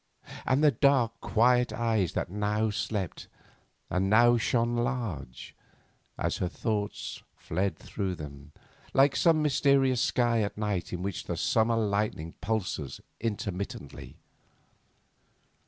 And the dark, quiet eyes that now slept, and now shone large, as her thoughts fled through them, like some mysterious sky at night in which the summer lightning pulses intermittently!